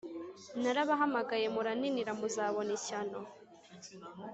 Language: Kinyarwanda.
Narabahamagaye muraninira muzabona ishyano